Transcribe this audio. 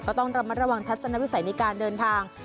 ต้องระมัดระวังทัศนวิสัยในการเดินทาง